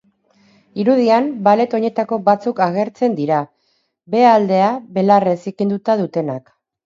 Irudian, ballet-oinetako batzuk agertzen dira, behealdea belarrez zikinduta dutenak.